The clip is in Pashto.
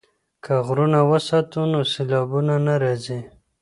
که غرونه وساتو نو سیلابونه نه راځي.